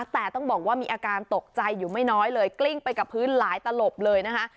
แต่ต้องบอกว่ามีอาการตกใจอยู่ไม่น้อยเลยกลิ้งไปกับพื้นหลายตลบเลยนะคะ